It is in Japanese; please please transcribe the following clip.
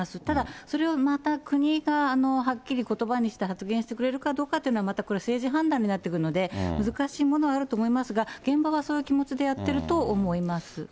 ただ、それをまた国がはっきりことばにして発言してくれるかどうかというのは、またこれ、政治判断になってくるので、難しいものはあると思いますが、現場はそういう気持ちでやっていると思います。